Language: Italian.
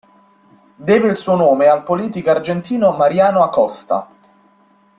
Deve il suo nome al politico argentino Mariano Acosta.